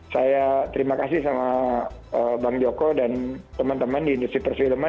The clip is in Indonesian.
saya terima kasih sama bang joko dan teman teman di industri perfilman